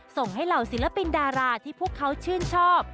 ส่งให้เหล่าศิลปินดาราที่พวกเขาชื่นชอบ